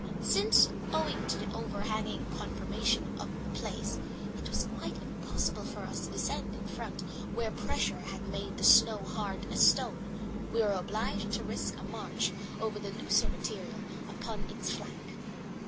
Since, owing to the overhanging conformation of the place, it was quite impossible for us to descend in front where pressure had made the snow hard as stone, we were obliged to risk a march over the looser material upon its flank.